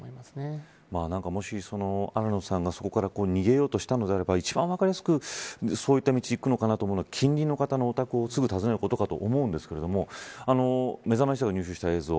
もし新野さんが、そこから逃げようとしたのであれば一番分かりやすくそういった道に行くには近隣の方のお宅をすぐ尋ねることかと思うんですがめざまし８が入手した映像